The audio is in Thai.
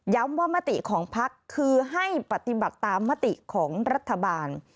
ย้ำว่าไหมติของภักษ์คือให้ปฏิบัติตามมาติของรัฐบาล